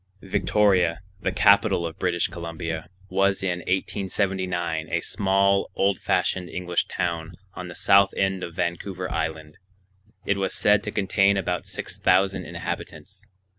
Victoria, the capital of British Columbia, was in 1879 a small old fashioned English town on the south end of Vancouver Island. It was said to contain about six thousand inhabitants.